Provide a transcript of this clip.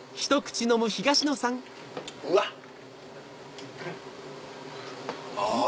うわ！あっ。